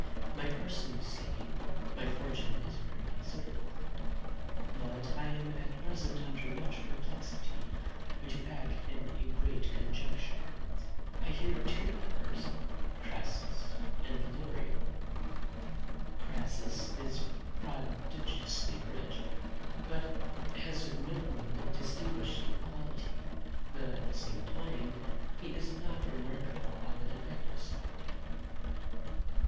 My person you see; my fortune is very considerable; but I am at present under much perplexity how to act in a great conjuncture. I have two lovers, Crassus and Lorio; Crassus is prodigiously rich, but has no one distinguishing quality; though at the same time he is not remarkable on the defective side.